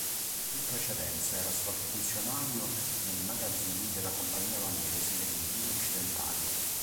In precedenza era stato funzionario nei magazzini della Compagnia olandese delle Indie occidentali.